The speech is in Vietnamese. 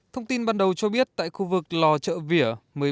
thông tin ban đầu cho biết tại khu vực lò chợ vỉa một mươi bốn hai hai